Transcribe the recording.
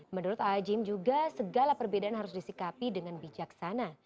menurut a'a gim juga segala perbedaan harus disikapi dengan bijaksana